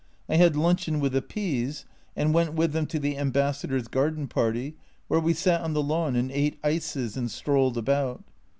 I had luncheon with the P s, and went with them to the Ambassador's garden party, where we sat on the lawn and ate ices and strolled about.